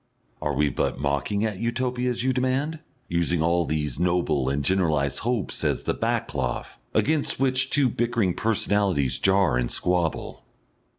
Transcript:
Are we but mocking at Utopias, you demand, using all these noble and generalised hopes as the backcloth against which two bickering personalities jar and squabble?